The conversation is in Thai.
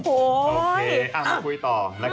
โอเคมาคุยต่อนะครับ